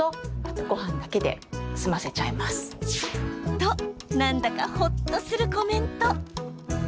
と、なんだかほっとするコメント。